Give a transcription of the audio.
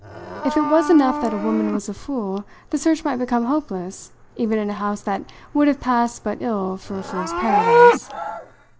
If it was enough that a woman was a fool the search might become hopeless even in a house that would have passed but ill for a fool's paradise.